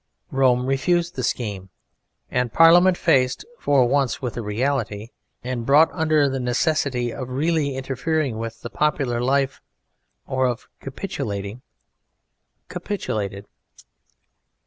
Rome refused the scheme, and Parliament, faced for once with a reality and brought under the necessity of really interfering with the popular life or of capitulating, capitulated.